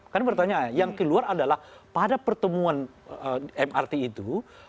kan pertanyaan yang keluar adalah pada pertemuan mrt itu